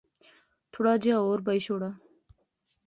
تھوڑا جیہا ہور بائی شوڑا